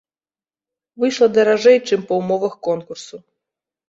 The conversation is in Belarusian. Выйшла даражэй, чым па ўмовах конкурсу.